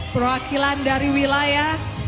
perwakilan dari wilayah